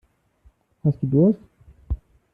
Hast du Durst?